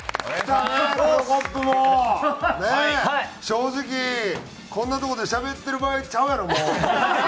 正直こんなとこでしゃべってる場合ちゃうやろもう。